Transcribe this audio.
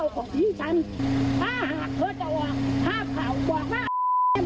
ถ้าหาคุณจะว่าห้าขาวกว่าอ้าวนะ